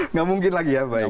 nggak mungkin lagi ya